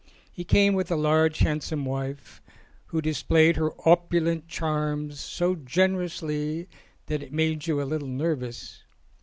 He came with a large, handsome wife, who displayed her opulent charms so generously that it made you a little nervous.